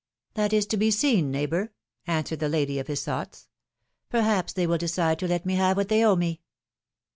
" That is to be seen, neighbor," answered the lady of his thoughts. Perhaps they will decide to let me have what they owe me."